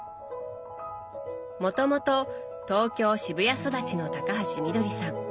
もともと東京渋谷育ちの高橋みどりさん。